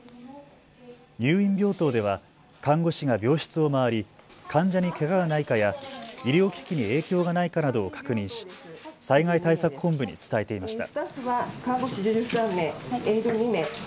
入院病棟では看護師が病室を回り患者にけががないかや医療機器に影響がないかなどを確認し災害対策本部に伝えていました。